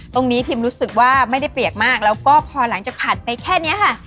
พิมรู้สึกว่าไม่ได้เปียกมากแล้วก็พอหลังจากผ่านไปแค่นี้ค่ะ